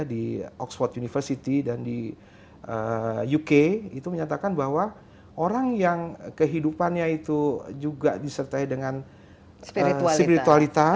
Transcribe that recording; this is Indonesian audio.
di oxford university dan di uk itu menyatakan bahwa orang yang kehidupannya itu juga disertai dengan spiritualitas